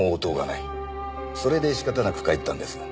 それで仕方なく帰ったんです。